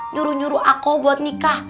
nyuruh nyuruh aku buat nikah